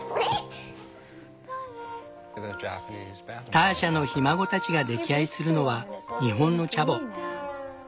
ターシャのひ孫たちが溺愛するのは日本のチャボ。